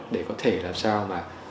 để có thể làm sao